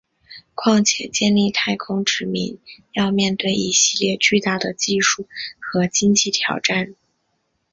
况且建立太空殖民要面对一系列巨大的技术和经济挑战。